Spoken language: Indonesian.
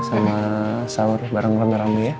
sama sahur bareng rame rame